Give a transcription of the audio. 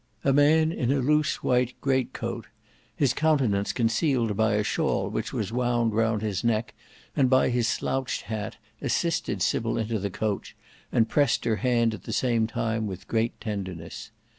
A man in a loose white great coat, his countenance concealed by a shawl which was wound round his neck and by his slouched hat, assisted Sybil into the coach, and pressed her hand at the same time with great tenderness.